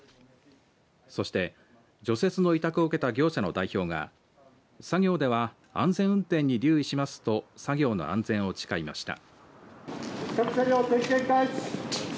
そして、除雪の委託を受けた業者の代表が作業では安全運転に留意しますと作業の安全を誓いました。